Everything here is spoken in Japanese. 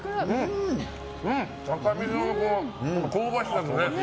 赤みその香ばしさとね。